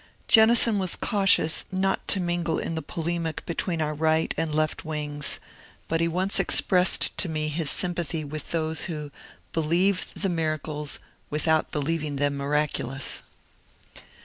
" Jennison was cautious not to mingle in the polemic between our right and left wings, but he once expressed to me his sympathy with those who ^^ believe the miracles without believing them miraculous."